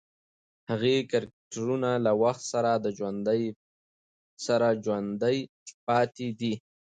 هغې کرکټرونه له وخت سره ژوندۍ پاتې دي.